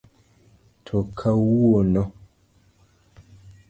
To kawuono?